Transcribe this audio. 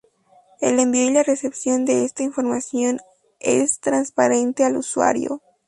El envío y la recepción de esta información es transparente al usuario.